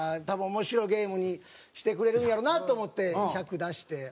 多分面白いゲームにしてくれるんやろうなと思って１００出して。